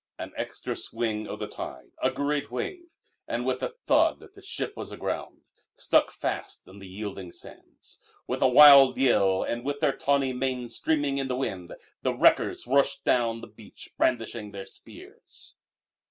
An extra swing of the tide, a great wave and with a thud the ship was aground, stuck fast on the yielding sands. With a wild yell, and with their tawny manes streaming in the wind, the wreckers rushed down the beach brandishing their spears.